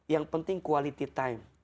yang penting quality time